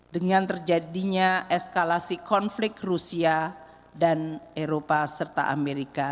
dengan terjadinya eskalasi konflik rusia dan eropa serta amerika